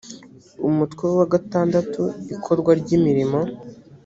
umutwe wa vi ikorwa ry imirimo